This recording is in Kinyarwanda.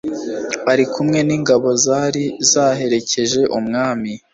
ari kumwe n'ingabo zari zaherekeje umwami